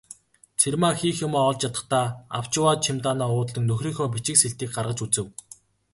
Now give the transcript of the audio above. Цэрмаа хийх юмаа олж ядахдаа авч яваа чемоданаа уудлан нөхрийнхөө бичиг сэлтийг гаргаж үзэв.